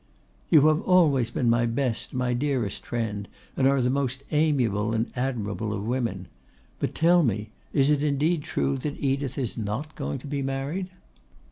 'You have always been my best, my dearest friend, and are the most amiable and admirable of women. But tell me, is it indeed true that Edith is not going to be married?